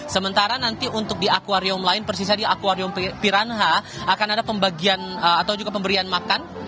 sementara nanti untuk di aquarium lain persis di aquarium piranha akan ada pemberian makan